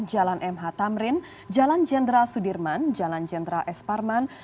jalan mh tamrin jalan jenderal sudirman jalan jenderal esparman